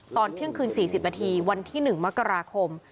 ตอนเที่ยงคืน๔๐นาทีวันที่๑มกราคม